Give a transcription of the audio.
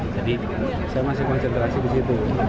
jadi saya masih konsentrasi di situ